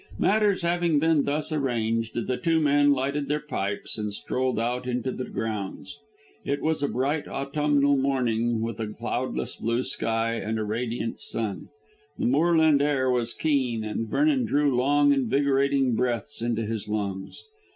Matters having been thus arranged, the two men lighted their pipes and strolled out into the grounds. It was a bright autumnal morning with a cloudless blue sky and a radiant sun; the moorland air was keen, and Vernon drew long invigorating breaths into his lungs.